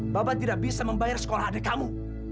bapak tidak bisa membayar sekolah adik kamu